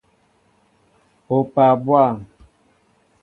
Opaa bwȃm!